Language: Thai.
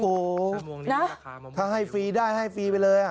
โอ้โหถ้าให้ฟรีได้ให้ฟรีไปเลย